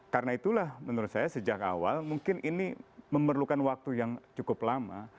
karena itulah menurut saya sejak awal mungkin ini memerlukan waktu yang cukup lama